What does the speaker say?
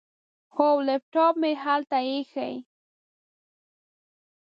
هو، لیپټاپ مې هلته ایښی.